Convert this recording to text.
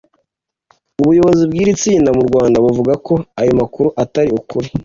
ubuyobozi bw’iri tsinda mu Rwanda buvuga ko ayo makuru atari ukuri